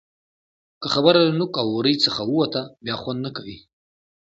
که خبره له نوک او ورۍ څخه ووته؛ بیا خوند نه کوي.